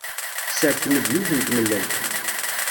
Sserkem-d yiwet n tmellalt.